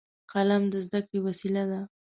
قلم د زده کړې وسیله ده